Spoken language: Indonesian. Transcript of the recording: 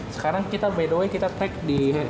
sekarang kita btw kita track di